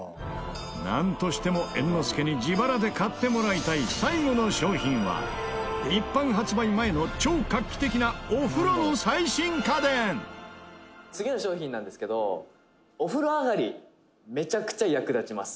なんとしても猿之助に自腹で買ってもらいたい最後の商品は一般発売前の超画期的なお風呂の最新家電「次の商品なんですけどお風呂上がりめちゃくちゃ役立ちます」